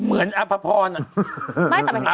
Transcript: เหมือนอภพรน่ะ